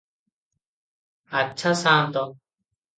ଆଚ୍ଛା ସାନ୍ତ!